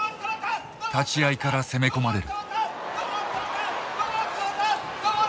立ち合いから攻め込まれる。